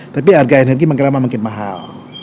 tapi harga energi makin lama makin mahal